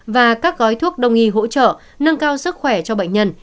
và các gói thuốc đồng nghi hỗ trợ nâng cao sức khỏe cho bệnh nhân